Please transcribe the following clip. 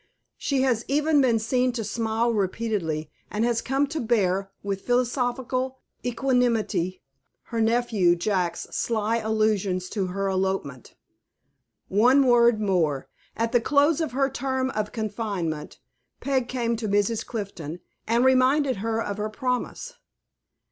She has even been seen to smile repeatedly, and has come to bear, with philosophical equanimity, her nephew Jack's sly allusions to her elopement. One word more. At the close of her term of confinement, Peg came to Mrs. Clifton, and reminded her of her promise.